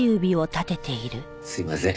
すいません。